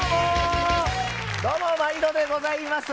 どうも、まいどでございます。